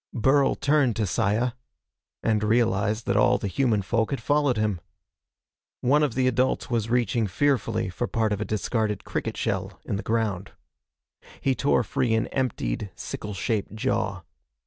Burl turned to Saya and realized that all the human folk had followed him. One of the adults was reaching fearfully for part of a discarded cricket shell in the ground. He tore free an emptied, sickle shaped jaw.